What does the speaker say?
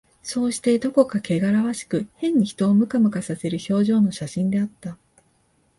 そうして、どこかけがらわしく、変に人をムカムカさせる表情の写真であった